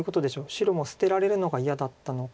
白も捨てられるのが嫌だったのか。